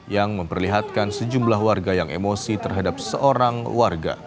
yang memperlihatkan sejumlah warga yang emosi terhadap seorang warga